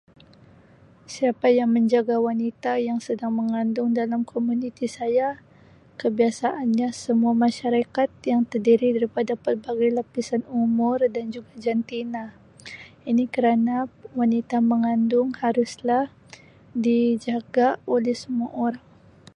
Siapa yang menjaga wanita yang sedang mengandung dalam komuniti saya kebiasaannya semua masyarakat yang terdiri daripada pelbagai lapisan umur dan juga jantina. Ini kerana wanita mengandung haruslah dijaga oleh semua orang.